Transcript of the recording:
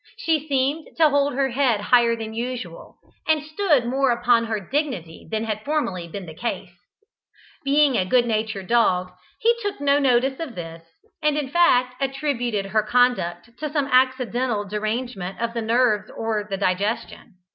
She seemed to hold her head higher than usual, and stood more upon her dignity than had formerly been the case. Being a good natured dog, he took no notice of this, and, in fact, attributed her conduct to some accidental derangement of the nerves or the digestion.